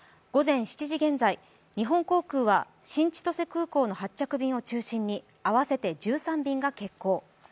午前７時現在、日本航空は新千歳空港の発着便を中心に合わせて１３便が欠航。